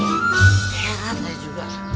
heran saya juga